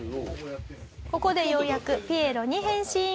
ここでようやくピエロに変身。